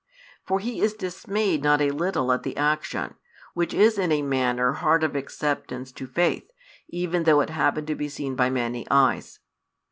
For he is dismayed not a little at the action, which is in a manner hard of acceptance to faith, even though it happened to be seen by many eyes.